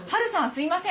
すいません。